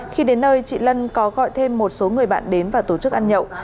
khi đến nơi chị lân có gọi thêm một số người bạn đến và tổ chức ăn nhậu